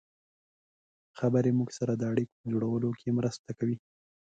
خبرې موږ سره د اړیکو په جوړولو کې مرسته کوي.